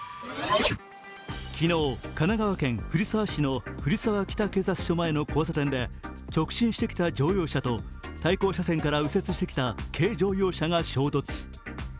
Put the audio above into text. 昨日、神奈川県藤沢市の藤沢北警察署前の交差点で直進してきた乗用車と対向車線から右折してきた軽乗用車が衝突。